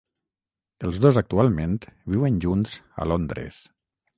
Els dos actualment viuen junts a Londres.